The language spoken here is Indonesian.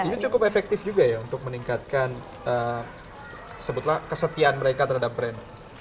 itu cukup efektif juga ya untuk meningkatkan sebutlah kesetiaan mereka terhadap brand